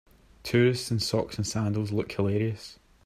Tourists in socks and sandals look hilarious.